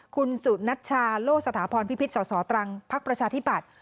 คุณสุนัชชาโลสถาพรพิพิษสสตรังพักประชาธิบัติ